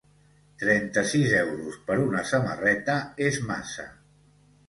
Trenta-sis euros per una samarreta és massa.